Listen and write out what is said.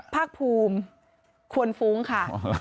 ภาคภูมิควรฟุ้งค่ะ